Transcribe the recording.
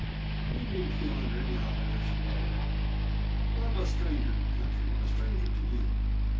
You needn't feel under any obligation whatever. I'm a stranger in the country and a stranger to you.